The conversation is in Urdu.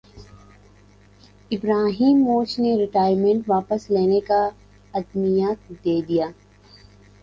ابراہیمووچ نے ریٹائرمنٹ واپس لینے کا عندیہ دیدیا